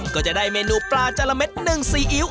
ก็จะได้เมนูปลาจาระเม็ดหนึ่งซีอิ๊ว